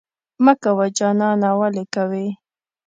مه کوه جانانه ولې کوې؟